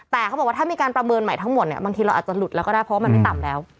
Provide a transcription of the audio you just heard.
แต่เขาบอกว่าถ้ามีการประเมินใหม่ทั้งหมดเนี่ยบางทีเราอาจจะหลุดแล้วก็ได้เพราะว่ามันไม่ต่ำแล้ว